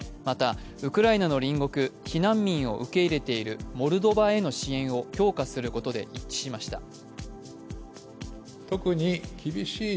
また、ウクライナの隣国、避難民を受け入れているモルドバへの支援を強化することで一致しました。